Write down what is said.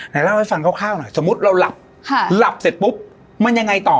เล่าให้ฟังคร่าวหน่อยสมมุติเราหลับหลับเสร็จปุ๊บมันยังไงต่อ